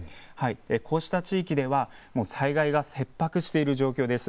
こうした地域では災害が切迫している状況です。